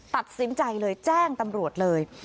ตัดสินใจเลยแจ้งตำรวจเลย